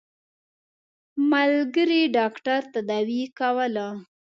ملګري ډاکټر تداوي کوله.